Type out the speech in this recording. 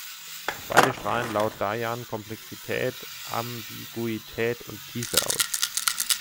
Beide strahlen laut Dayan Komplexität, Ambiguität und Tiefe aus.